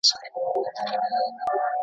ده د وېشونکو خبرو مخه نيوله.